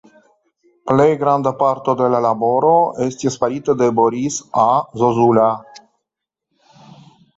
Plej granda parto de la laboro estis farita de Boris A. Zozulja.